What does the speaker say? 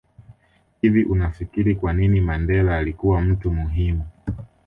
Hivi unafikiri kwanini Mandela alikua mtu muhimu